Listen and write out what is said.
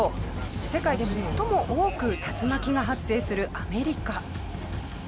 世界で最も多く竜巻が発生するアメリカ。